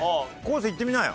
生いってみなよ。